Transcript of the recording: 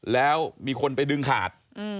แล้วมีคนไปดึงขาด